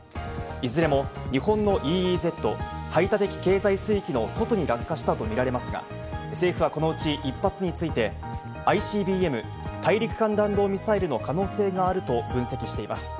いずれも日本のＥＥＺ＝排他的経済水域の外に落下したとみられますが、政府はこのうち１発について、ＩＣＢＭ＝大陸間弾道ミサイルの可能性があると分析しています。